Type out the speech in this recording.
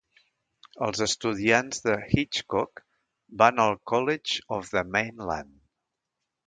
Els estudiants de Hitchcock van al College of the Mainland.